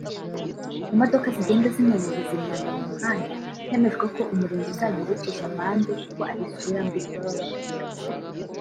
Imodoka zigenda zinyanyagiza imyanda mu mihanda hemejwe ko umurenge uzajya uzicisha amande kuko ari isura mbi baba bagaragaza